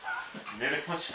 寝れました